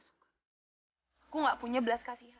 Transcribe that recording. sampai jumpa di video selanjutnya